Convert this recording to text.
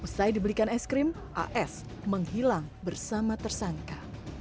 setelah dibelikan es krim aes menghilang bersama tersangka